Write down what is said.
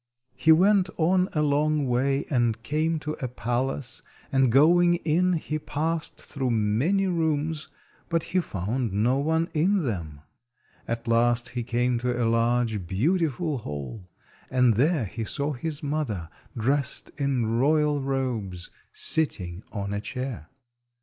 He went on a long way and came to a palace, and going in he passed through many rooms, but he found no one in them. At last he came to a large beautiful hall, and there he saw his mother, dressed in royal robes, sitting on a chair.